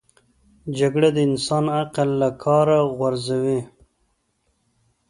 جګړه د انسان عقل له کاره غورځوي